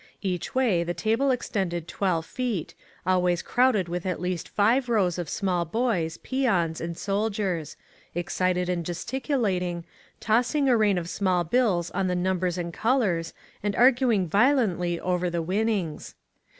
Each way the table extended twelve feet, always crowded with at least five rows of small boys, peons, and sol diers — excited and gesticulating, tossing a rain of small bills on the numbers and colors, and arguing vio lently over the winnings.